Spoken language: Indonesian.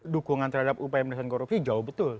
dukungan terhadap upaya md senggorovic jauh betul